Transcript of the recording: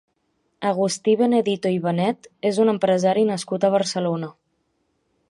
Agustí Benedito i Benet és un empresari nascut a Barcelona.